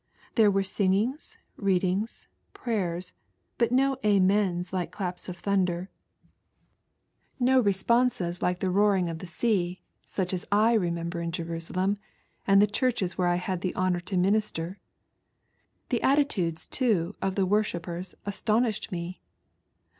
There were singings, readings, prayers, but no Amens like claps of thunder, no responses like the roaring of the HOW I WEST TO CHURCH WITH BOODLE. 19 w aea — Buch as I remember in Jerusalem and the ehorcheB where I had the honour to muiister. The 3, too, of the worshippers astoniahed me.